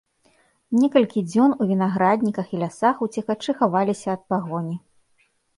Некалькі дзён у вінаградніках і лясах уцекачы хаваліся ад пагоні.